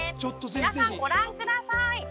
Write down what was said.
皆さんご覧ください